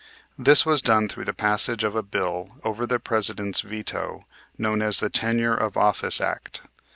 This was done through the passage of a bill, over the president's veto, known as the Tenure of Office Act.